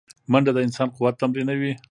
منډه د انسان قوت تمرینوي